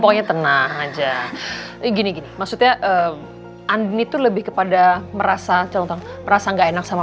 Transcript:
pokoknya tenang aja gini gini maksudnya andini tuh lebih kepada merasa contoh merasa enggak enak sama